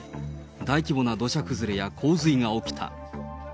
大規模な土砂崩れや洪水が起きた。